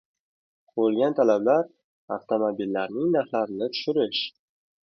Qo'yilgan talablar: avtomobillarning narxlarini tushirish.